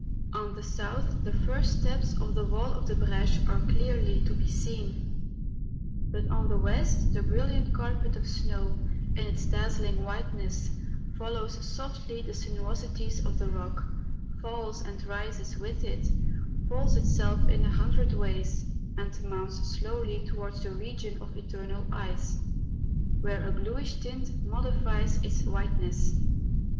On the south, the first steps of the wall of the Breche are clearly to be seen; but on the west, the brilliant carpet of snow, in its dazzling whiteness, follows softly the sinuosities of the rock, falls and rises with it, folds itself in a hundred ways, and mounts slowly towards the region of eternal ice, where a bluish tint modifies its white¬ ness.